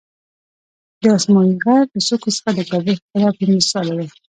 د اسمایي غر له څوکو څخه د کابل ښکلا بېمثاله ده.